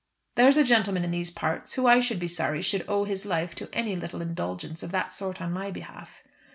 There's a gentleman in these parts who I should be sorry should owe his life to any little indulgence of that sort on my behalf."